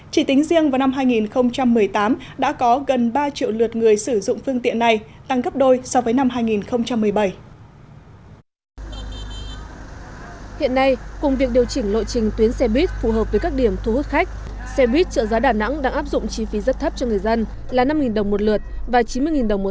chỉ tính riêng vào năm hai nghìn một mươi tám đã có gần ba triệu lượt người sử dụng phương tiện này tăng gấp đôi so với năm hai nghìn một mươi bảy